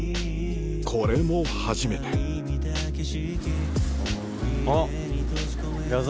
これも初めてあっ！